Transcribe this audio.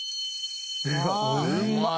うまい！